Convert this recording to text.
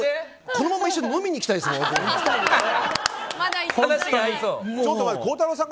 このまま一緒に飲みに行きたいですもん！